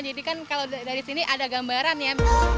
jadi kan kalau dari sini ada gambaran ya